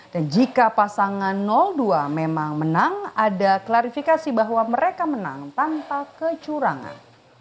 dan jika pasangan dua memang menang ada klarifikasi bahwa mereka menang tanpa kecurangan